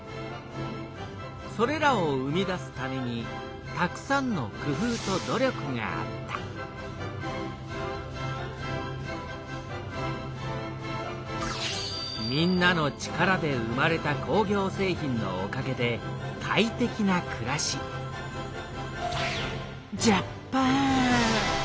それらを生み出すためにたくさんのくふうと努力があったみんなの力で生まれた工業製品のおかげでかいてきなくらしジャパン！